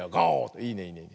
いいねいいね。